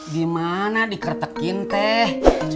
gimana dikretekin teh